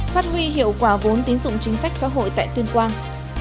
phát huy hiệu quả vốn tín dụng chính sách xã hội tại tuyên quang